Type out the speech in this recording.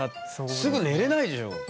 すぐ寝れないでしょう。